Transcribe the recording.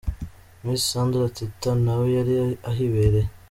Miss Sandra Teta nawe yari ahibereye.